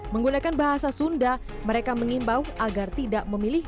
menggunakan bahasa sunda mereka mengimbau agar tidak memilih